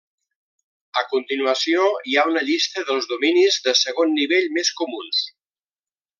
A continuació hi ha una llista dels dominis de segon nivell més comuns.